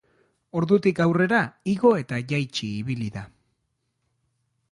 Ordutik aurrera igo eta jaitsi ibili da.